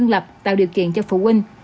lập tạo điều kiện cho phụ huynh